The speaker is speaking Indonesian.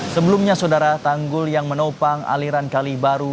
sebelumnya saudara tanggul yang menopang aliran kali baru